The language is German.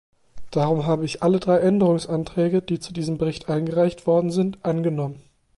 Darum habe ich alle drei Änderungsanträge, die zu diesem Bericht eingereicht worden sind, angenommen.